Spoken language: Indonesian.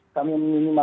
adanya kerumunan juga